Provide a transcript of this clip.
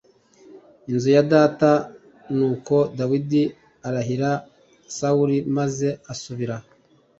inzu ya data t Nuko Dawidi arahira Sawuli maze asubira